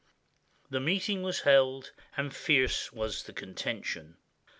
The meeting was held, and fierce was the contention.